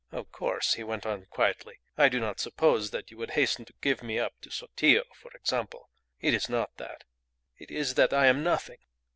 "Of course," he went on, quietly, "I do not suppose that you would hasten to give me up to Sotillo, for example. It is not that. It is that I am nothing!